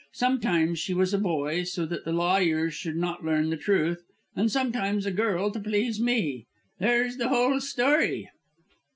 Sometimes she was a boy, so that the lawyers should not learn the truth, and sometimes a girl to please me. There's the whole story."